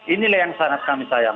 inilah yang sangat kami sayang